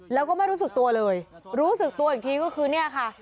แล้วก็ไม่รู้สึกตัวเลยรู้สึกตัวอีกทีก็คือเนี่ยค่ะ